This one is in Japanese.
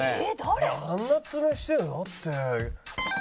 あんな爪してるのだって。